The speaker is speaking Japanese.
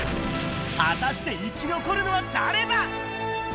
果たして生き残るのは誰だ？